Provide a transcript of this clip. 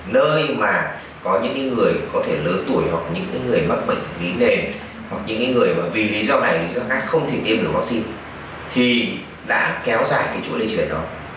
nơi mà có những cái người có thể lớn tuổi hoặc những cái người mắc bệnh bí nền hoặc những cái người mà vì lý do này lý do khác không thể tiêm được vắc xin thì đã kéo dài cái chỗ lây chuyển đó